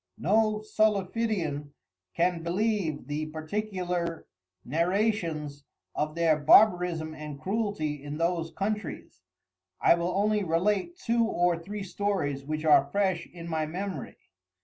No Solifidian can believe the particular Narrations of their Barbarism, and Cruelty in those Countreys. I will only relate two or three Stories which are fresh in my memory.